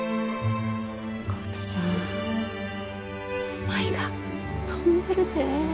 浩太さん舞が飛んでるで。